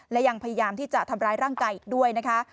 และยังพยายามที่จะทำร้ายร่างกายอีกด้วยนะคะ